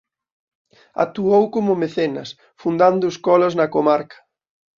Actuou como mecenas fundando escolas na comarca.